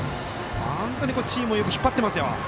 本当にチームをよく引っ張ってますよ。